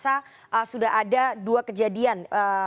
saya merasa sudah ada dua kejadian